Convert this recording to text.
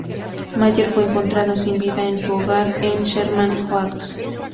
Mayer fue encontrado sin vida en su hogar en Sherman Oaks.